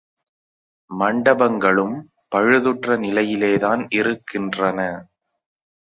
மண்டபங்களும் பழுதுற்ற நிலையிலே தான் இருக்கின்றன.